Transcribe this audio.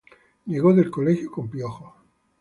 Llegó del colegio con piojos.